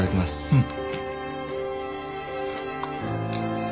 うん。